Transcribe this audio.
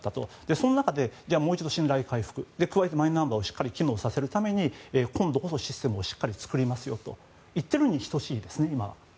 その中でもう一度、信頼回復加えてマイナンバーをしっかり機能させるために今度こそシステムをしっかり作りますと言っているのに等しいですね。